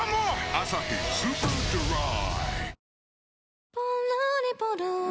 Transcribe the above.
「アサヒスーパードライ」